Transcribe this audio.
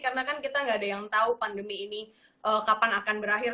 karena kan kita gak ada yang tau pandemi ini kapan akan berakhir